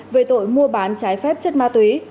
về tội mua bán trái phép chất ma túy